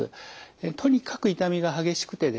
とにかく痛みが激しくてですね